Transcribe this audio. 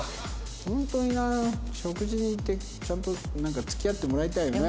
ホントにな食事に行ってちゃんとなんか付き合ってもらいたいよね。